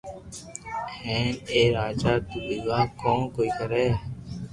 ھين اي راجا تو ويوا ڪون ڪوئي ڪري